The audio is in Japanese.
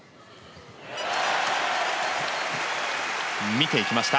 見ていきました。